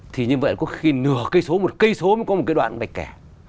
thì như vậy có khi nửa cây số một cây số mới có một cái đoạn vạch kẻ